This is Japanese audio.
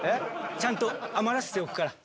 ちゃんと余らせておくから。